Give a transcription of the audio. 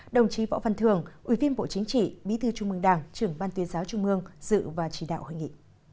đồng chí võ văn thường ủy viên bộ chính trị bí thư trung mương đảng trưởng ban tuyên giáo trung mương dự và chỉ đạo hội nghị